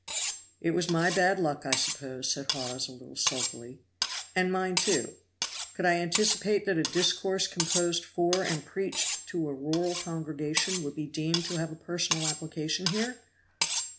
"It was my bad luck, I suppose," said Hawes a little sulkily. "And mine, too. Could I anticipate that a discourse composed for and preached to a rural congregation would be deemed to have a personal application here?"